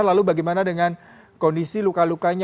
lalu bagaimana dengan kondisi luka lukanya